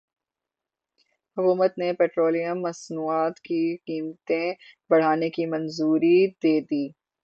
حکومت نے پیٹرولیم مصنوعات کی قیمتیں بڑھانے کی منظوری دے دی